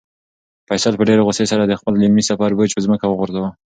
فیصل په ډېرې غوسې سره د خپل علمي سفر بوج په ځمکه وغورځاوه.